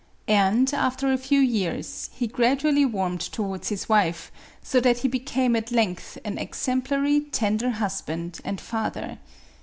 And, after a few years, he gradually warmed towards his wife, so that he be came at length an exemplary, tender husband and father.